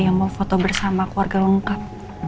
yang mau foto bersama keluarga lengkap